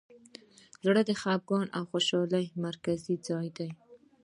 زړه د خفګان او خوشحالۍ مرکزي ځای دی.